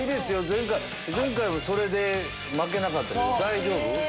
前回もそれで負けなかったけど大丈夫？